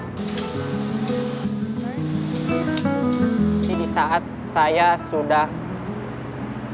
jadi di saat saya sudah berkumpul